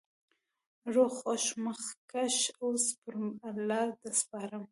روغ خوښ مخکښ اوسی.پر الله د سپارم